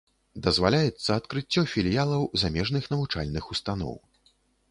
Дазваляецца адкрыццё філіялаў замежных навучальных устаноў.